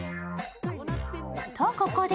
と、ここで